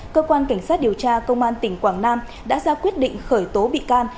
cơ quan cảnh sát điều tra công an tỉnh quảng nam đã ra quyết định khởi tố bị can